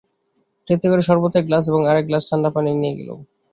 ট্রেতে করে শরবতের গ্লাস এবং আরেক গ্লাস ঠাণ্ডা পানি নিয়ে গেল।